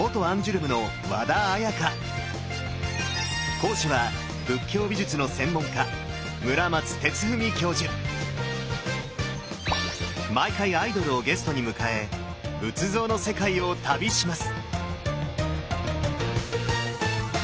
講師は仏教美術の専門家毎回アイドルをゲストに迎え仏像の世界を旅します！